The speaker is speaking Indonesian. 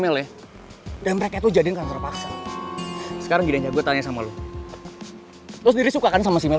lo sendiri suka kan sama si mel